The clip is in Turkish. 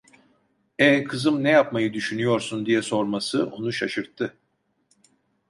"E, kızım, ne yapmayı düşünüyorsun?" diye sorması onu şaşırttı.